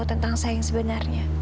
tentang saya yang sebenarnya